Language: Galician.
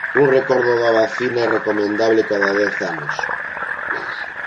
Un recordo da vacina é recomendable cada dez anos.